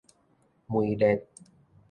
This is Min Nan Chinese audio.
梅列